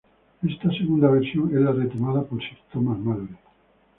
Esta segunda versión es la retomada por Sir Thomas Malory.